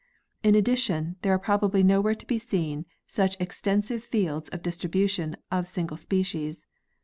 In addition there are prob ably nowhere to be seen such extensive fields of distribution of single species.